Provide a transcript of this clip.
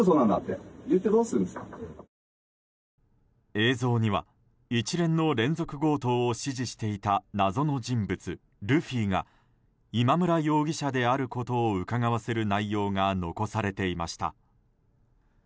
映像には一連の連続強盗を指示していた謎の人物ルフィが今村容疑者であることをうかがわせる内容が残されていました。